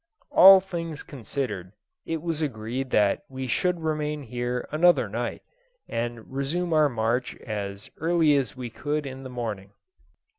All things considered, it was agreed that we should remain here another night, and resume our march as early as we could in the morning.